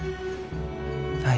はい。